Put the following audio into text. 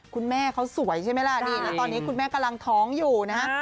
คุณแม่เขาสวยใช่ไหมล่ะนี่นะตอนนี้คุณแม่กำลังท้องอยู่นะฮะ